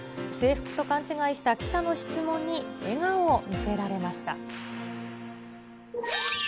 制服と勘違いした記者の質問に、笑顔を見せられました。